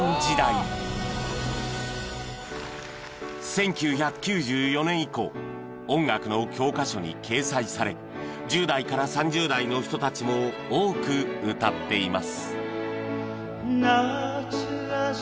１９９４年以降音楽の教科書に掲載され１０代から３０代の人たちも多く歌っています